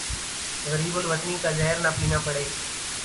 غریب الوطنی کا زہر نہ پینا پڑے